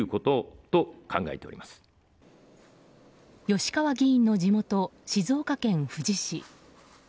吉川議員の地元・静岡県富士市。